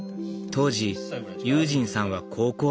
時悠仁さんは高校３年生。